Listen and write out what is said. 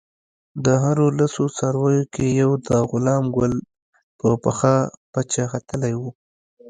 د هرو لسو څارویو کې یو د غلام ګل په پخه پچه ختلی وو.